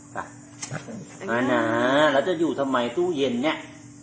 มานะแล้วจะอยู่ทำไมตู้เย็นเนี่ย